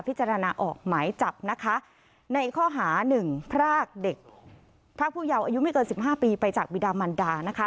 พิจารณาออกหมายจับนะคะในข้อหา๑พรากเด็กพรากผู้เยาว์อายุไม่เกิน๑๕ปีไปจากบิดามันดานะคะ